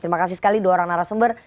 terima kasih sekali dua orang narasumber